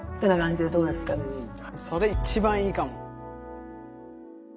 それ一番いいかも。